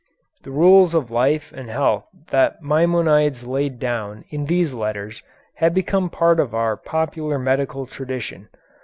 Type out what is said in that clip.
The rules of life and health that Maimonides laid down in these letters have become part of our popular medical tradition.